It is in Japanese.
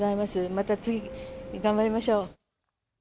また次、頑張りましょう。